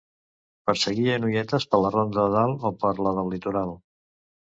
Perseguia noietes per la Ronda de Dalt o per la del Litoral.